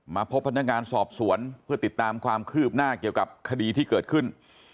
พบพนักงานสอบสวนเพื่อติดตามความคืบหน้าเกี่ยวกับคดีที่เกิดขึ้น